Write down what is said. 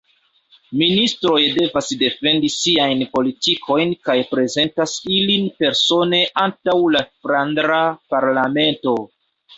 Ministroj devas defendi siajn politikojn kaj prezentas ilin persone antaŭ la Flandra Parlamento.